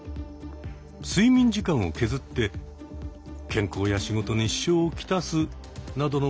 睡眠時間を削って健康や仕事に支障をきたすなどの問題も起きています。